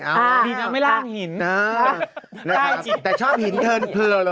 อ่าดีนะไม่ล่างหินอ่าได้จริงแต่ชอบหินเทินเผลอละโหลใช่